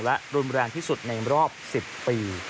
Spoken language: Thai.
และรุนแรงที่สุดในรอบ๑๐ปี